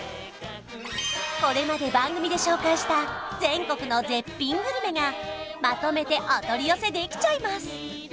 これまで番組で紹介した全国の絶品グルメがまとめてお取り寄せできちゃいます